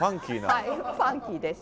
はいファンキーです。